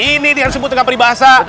ini dia disebut dengan peribahasa